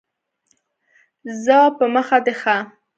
ځه په مخه دي ښه !